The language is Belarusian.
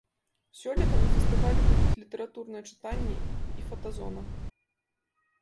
Сёлета на фестывалі будуць літаратурныя чытанні і фотазона.